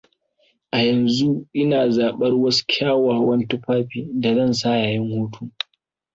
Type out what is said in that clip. A yanzu, Ina zabar wasu kyawawan tufafin da zan sa yayin hutu.